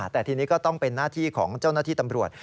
แต่ทีนี้ก็ต้องเป็นหน้าที่ของเจ้าหน้าที่ตำรวจ